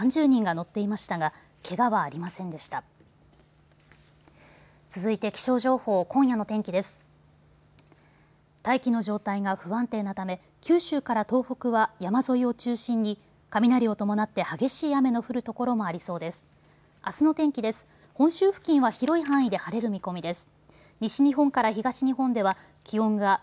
大気の状態が不安定なため九州から東北は山沿いを中心に雷を伴って激しい雨の降る所もありそうです。